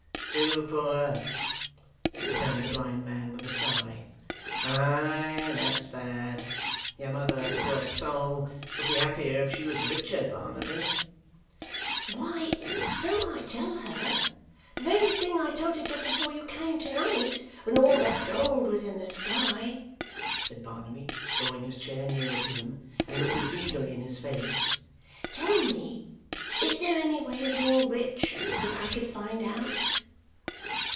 'Too poor?' returned the blind man with a sigh. 'Ay. That's bad. Your mother, poor soul, would be happier if she was richer, Barnaby.' 'Why, so I tell her the very thing I told her just before you came to night, when all that gold was in the sky,' said Barnaby, drawing his chair nearer to him, and looking eagerly in his face. 'Tell me. Is there any way of being rich, that I could find out?